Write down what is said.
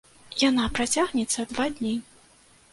Яна працягнецца два дні.